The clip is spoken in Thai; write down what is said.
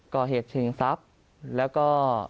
ก่อเหตุชิงทรัพย์แล้วก็